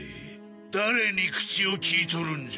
誰に口を利いとるんじゃ。